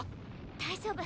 大丈夫！